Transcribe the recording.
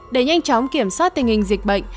để nhanh chóng kiểm soát tình hình dịch bệnh